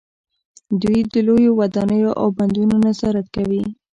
دوی د لویو ودانیو او بندونو نظارت کوي.